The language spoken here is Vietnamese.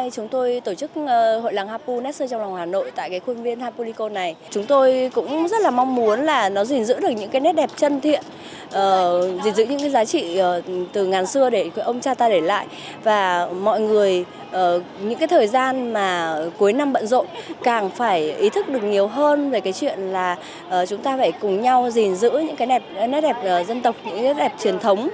cùng nhau gìn giữ những cái nét đẹp dân tộc những cái đẹp truyền thống